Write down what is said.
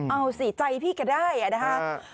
เอาสิใจพี่แกได้นะคะ